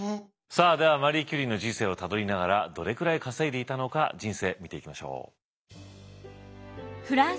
さあではマリー・キュリーの人生をたどりながらどれくらい稼いでいたのか人生見ていきましょう。